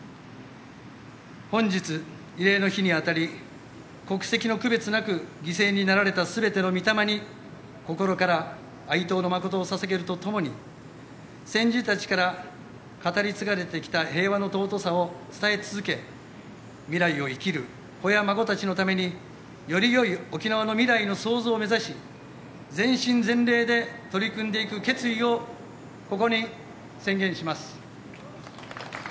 本日、慰霊の日に当たり国籍の区別なく犠牲になられた全てのみ霊に心から哀悼の誠を捧げるとともに先人達から語り継がれてきた平和の尊さを伝え続け未来を生きる子や孫達のためによりよい沖縄の未来の創造を目指し全身全霊で取り組んでいく決意をここに宣言します。